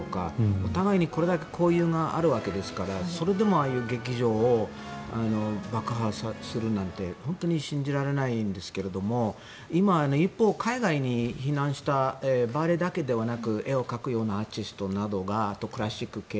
お互いに交流があるわけですからそれでもああいう劇場を爆破するなんて本当に信じられないんですが一方、海外に避難したバレエだけではなく絵を描くようなアーティストとかクラシック系。